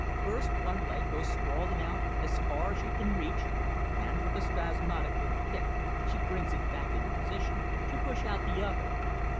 First, one leg goes sprawling out as far as she can reach, and, with a spasmodic little kick, she brings it back into position, to push out the other.